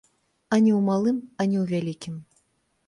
Ані ў малым, ані ў вялікім.